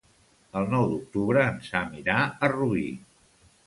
El nou d'octubre en Sam irà a Rubí.